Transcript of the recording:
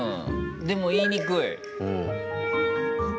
でも、言いにくい。